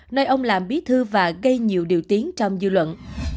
ngay ông làm bí thư và gây nhiều điều tiến trong dư luận